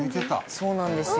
そうなんですよ。